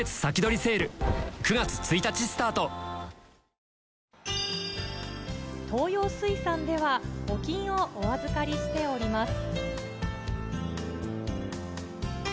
見てても、東洋水産では、募金をお預かりしております。